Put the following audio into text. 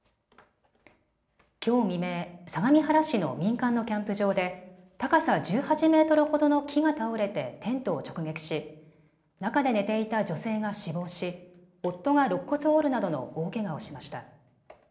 きょう未明、相模原市の民間のキャンプ場で高さ１８メートルほどの木が倒れてテントを直撃し中で寝ていた女性が死亡し夫がろっ骨を折るなどの大けがをしました。